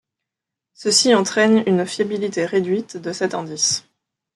Ceci entraîne une fiabilité réduite de cet indice.